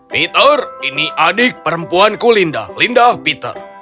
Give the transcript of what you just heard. peter ini adik perempuanku linda linda peter